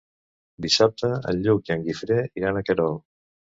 Dissabte en Lluc i en Guifré iran a Querol.